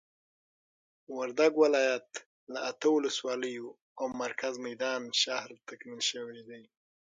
وردګ ولايت له اته ولسوالیو او مرکز میدان شهر تکمیل شوي دي.